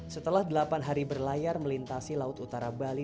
setelah delapan hari berlayar melintasi laut utara bali